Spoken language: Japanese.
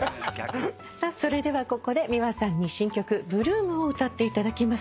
それではここでｍｉｗａさんに新曲『Ｂｌｏｏｍ』を歌っていただきます。